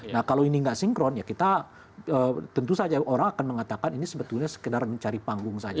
nah kalau ini nggak sinkron ya kita tentu saja orang akan mengatakan ini sebetulnya sekedar mencari panggung saja